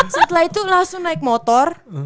setelah itu langsung naik motor